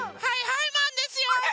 はいはいマンですよ！